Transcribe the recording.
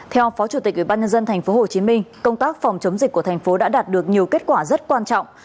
theo phó chủ tịch ủy ban nhân dân tp hcm công tác phòng chống dịch của thành phố đã đạt được nhiều kết quả rất quan trọng